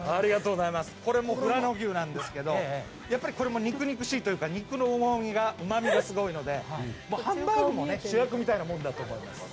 これ富良野牛なんですけど、やっぱり肉肉しいというか、肉のうま味がすごいので、ハンバーグも主役みたいなもんだと思います。